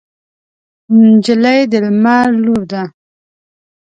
نجلۍ د لمر لور ده.